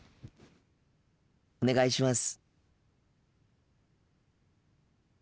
お願いします。